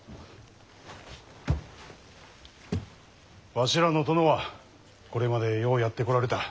わしらの殿はこれまでようやってこられた。